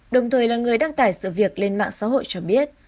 đồng thời là người đăng tải sự việc lên mạng xã hội cho biết